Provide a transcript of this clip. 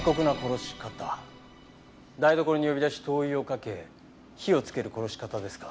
台所に呼び出し灯油をかけ火をつける殺し方ですか？